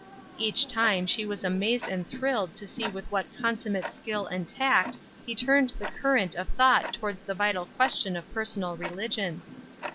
Each time she was amazed and thrilled to see with what consummate skill and tact he turned the current of thought towards the vital question of personal religion.